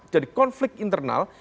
jadi konflik internal